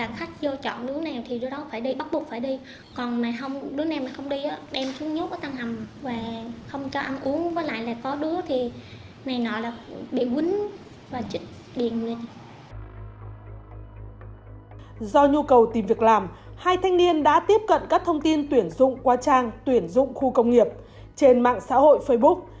sau nhu cầu tìm việc làm hai thanh niên đã tiếp cận các thông tin tuyển dụng qua trang tuyển dụng khu công nghiệp trên mạng xã hội facebook